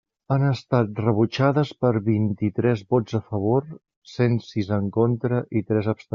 Han estat rebutjades per vint-i-tres vots a favor, cent sis en contra i tres abstencions.